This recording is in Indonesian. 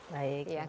baik terima kasih